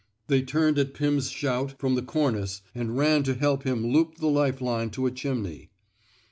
They turned at Pim's shout from the cornice and ran to help him loop the life line to a chimney.